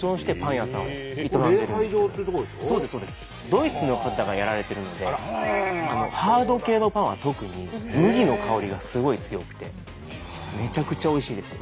ドイツの方がやられてるのでハード系のパンは特に麦の香りがすごい強くてめちゃくちゃおいしいです。